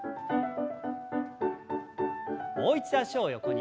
もう一度脚を横に。